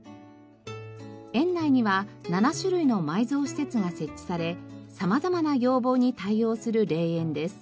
園内には７種類の埋蔵施設が設置され様々な要望に対応する霊園です。